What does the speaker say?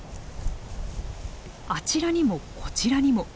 あちらにもこちらにも。